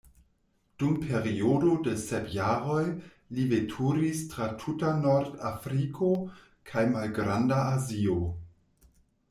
Dum periodo de sep jaroj li veturis tra tuta Nordafriko kaj Malgranda Azio.